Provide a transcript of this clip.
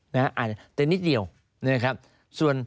แต่นิดเดียว